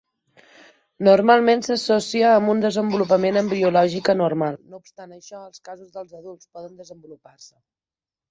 Normalment s'associa amb un desenvolupament embriològic anormal. No obstant això, els casos dels adults poden desenvolupar-se.